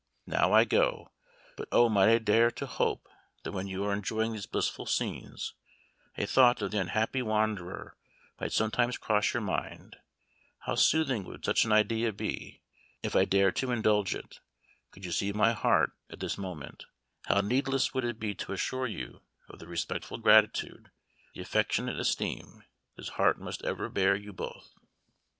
Now I go but O might I dare to hope that when you are enjoying these blissful scenes, a thought of the unhappy wanderer might sometimes cross your mind, how soothing would such an idea be, if I dared to indulge it could you see my heart at this moment, how needless would it be to assure you of the respectful gratitude, the affectionate esteem, this heart must ever bear you both."